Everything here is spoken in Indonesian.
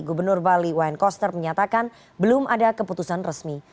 gubernur bali wayne koster menyatakan belum ada keputusan resmi